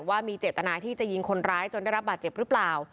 ว่ามีเจตนาที่จะยิงคนร้ายจนได้รับบาดเจ็บหรือเปล่า